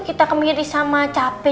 kita kemiris sama capek